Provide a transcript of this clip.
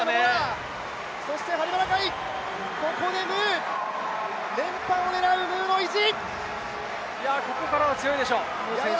ここでムー、連覇を狙うムーの意地